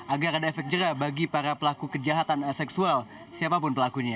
agar ada efek jerah bagi para pelaku kejahatan seksual siapapun pelakunya